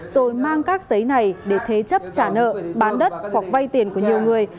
rồi mang các giấy này để thế chấp trả nợ bán đất hoặc vay tiền của nhiều người